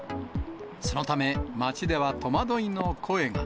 そのため、街では戸惑いの声が。